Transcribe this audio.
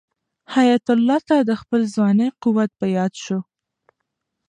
حیات الله ته د خپل ځوانۍ قوت په یاد شو.